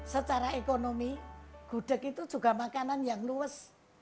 secara ekonomi gudeg itu juga makanan yang luas